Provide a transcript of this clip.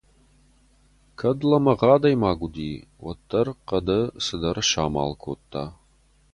Кӕд лӕмӕгъ адӕймаг уыди, уӕддӕр хъӕды цыдӕр самал кодта.